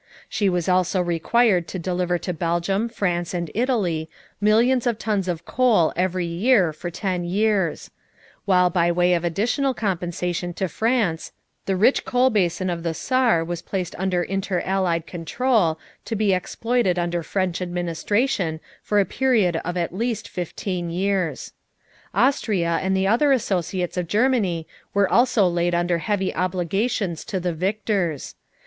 She was also required to deliver to Belgium, France, and Italy, millions of tons of coal every year for ten years; while by way of additional compensation to France the rich coal basin of the Saar was placed under inter allied control to be exploited under French administration for a period of at least fifteen years. Austria and the other associates of Germany were also laid under heavy obligations to the victors.